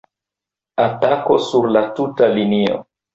Atako sur la tuta linio!